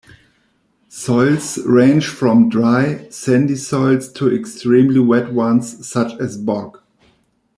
Soils range from dry, sandy soils to extremely wet ones such as bog.